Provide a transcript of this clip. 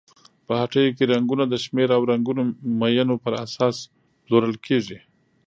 په هټیو کې رنګونه د شمېر او رنګونو مینو پر اساس پلورل کیږي.